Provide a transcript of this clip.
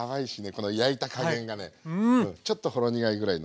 この焼いた加減がねちょっとほろ苦いぐらいのがね。